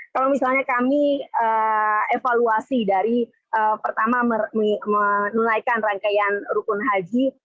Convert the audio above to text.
kalau misalnya kami evaluasi dari pertama menunaikan rangkaian rukun haji